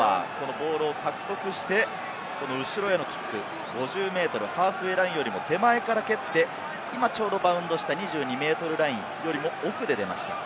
ボールを獲得して、この後ろへのキック、５０ｍ、ハーフウェイラインよりも手前から蹴って、今ちょうどバウンドした２２ｍラインよりも奥で出ました。